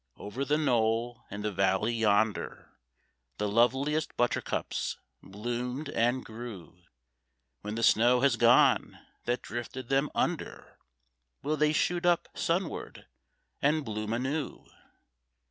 Over the knoll in the valley yonder The loveliest buttercups bloomed and grew; When the snow has gone that drifted them under, Will they shoot up sunward, and bloom anew?